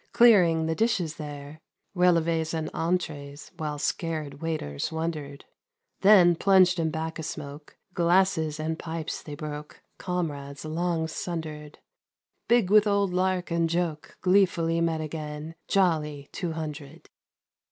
Clearing the dishes there, Relevi's and entrees, while Scared waiters wondered ; Then, plunged in 'bacca smoke. Glasses and pipes they broke — Comrades long sundered. Big with old lady and joke. Gleefully met again — Jolly Two Hundred